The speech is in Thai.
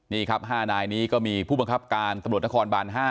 นี่ครับ๕นายนี้ก็มีผู้บังคับการตำรวจนครบาน๕